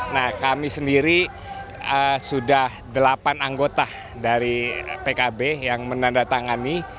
nah kami sendiri sudah delapan anggota dari pkb yang menandatangani